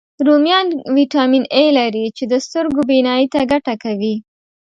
رومیان ویټامین A لري، چې د سترګو بینایي ته ګټه کوي